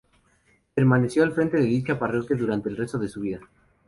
Permaneció al frente de dicha parroquia durante el resto de su vida.